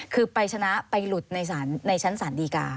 คือไปชนะไปหลุดในชั้นศาลดีกา